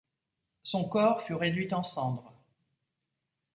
Son corps fut réduit en cendres.